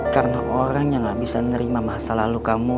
karena orang yang gak bisa menerima masa lalu kamu